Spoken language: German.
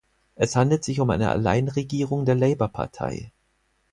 Es handelt sich um eine Alleinregierung der Labor Partei.